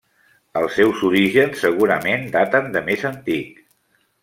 Els seus orígens segurament daten de més antic.